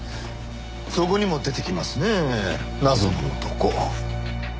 そこにも出てきますね謎の男。